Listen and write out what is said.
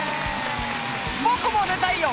僕も出たいよ